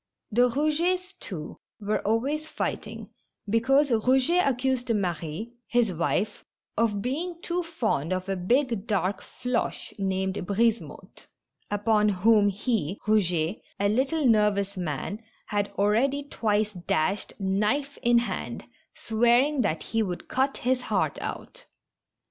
The Eougets, too, were always fighting, because Eouget ac cused Marie, his wife, of being too fond of a big, dark Floche, named Brisemotte, upon whom he, Eouget (a little nervous man), had already twice dashed, knife in hand, swearing that he would cut his heart out.